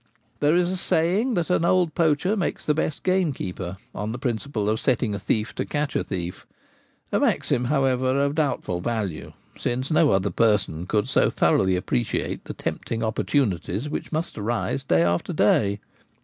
There is a saying that an old poacher makes the best gamekeeper, on the principle of setting a thief to catch a thief: a maxim, however, of doubtful value, since no other person could so thoroughly appreciate the tempting opportunities which must arise day after day.